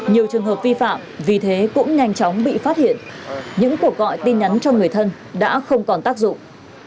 nhiều trường hợp vi phạm vì thế cũng nhanh chóng bị phát hiện những cuộc gọi tin nhắn cho người thân đã không còn tác dụng